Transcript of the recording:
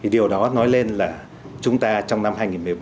điều đó nói lên là chúng ta trong năm hai nghìn một mươi bảy